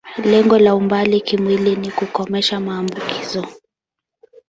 Lengo la umbali kimwili ni kukomesha maambukizo.